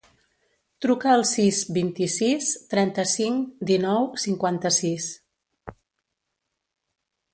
Truca al sis, vint-i-sis, trenta-cinc, dinou, cinquanta-sis.